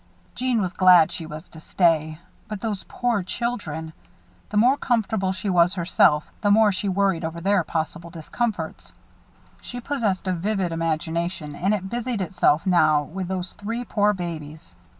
Jeanne was glad she was to stay. But those poor children! The more comfortable she was herself, the more she worried over their possible discomforts. She possessed a vivid imagination and it busied itself now with those three poor babies.